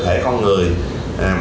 thế vì vô cùng ựng hộ chán niệm